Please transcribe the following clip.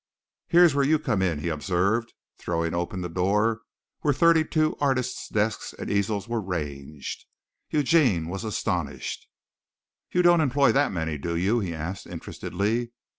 "Here's where you come in," he observed, throwing open the door where thirty two artists' desks and easels were ranged. Eugene was astonished. "You don't employ that many, do you?" he asked interestedly.